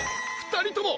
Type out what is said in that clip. ２人とも！